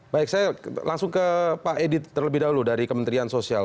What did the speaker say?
baik saya langsung ke pak edi terlebih dahulu dari kementerian sosial